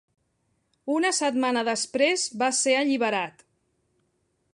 Una setmana després va ser alliberat.